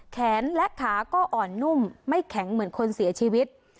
แขนและขาก็อ่อนนุ่มไม่แข็งเหมือนคนเสียชีวิต